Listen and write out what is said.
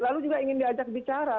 lalu juga ingin diajak bicara